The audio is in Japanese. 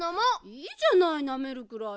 いいじゃないなめるぐらい。